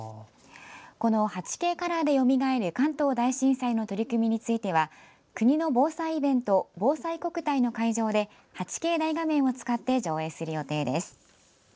この「８Ｋカラーでよみがえる関東大震災」の取り組みについては国の防災イベント「ぼうさいこくたい」の会場で８Ｋ大画面を使って上映する予定です。